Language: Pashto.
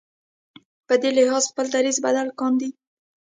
په دې لحاظ خپل دریځ بدل کاندي.